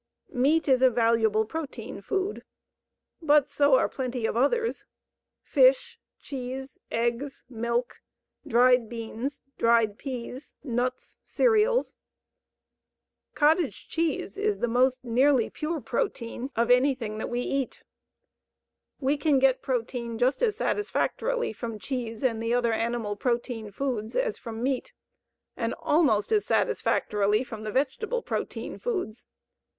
Meat is a valuable protein food, but so are plenty of others fish, cheese, eggs, milk, dried beans, dried peas, nuts, cereals. Cottage cheese is the most nearly pure protein of anything that we eat. We can get protein just as satisfactorily from cheese and the other animal protein foods as from meat, and almost as satisfactorily from the vegetable protein foods.